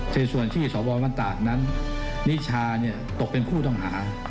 ในส่วนที่สววันตากนั้นนิชาตกเป็นผู้ต้องหา